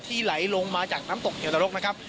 ไหลลงมาจากน้ำตกเหี่ยวนรกนะครับ